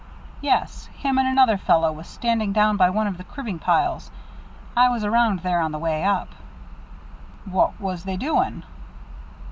"Yes. Him and another fellow was standing down by one of the cribbin' piles. I was around there on the way up." "What was they doing?"